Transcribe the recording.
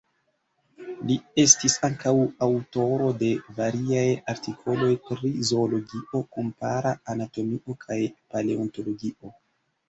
Li estis ankaŭ aŭtoro de variaj artikoloj pri zoologio, kompara anatomio kaj paleontologio.